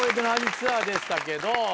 ツアーでしたけど。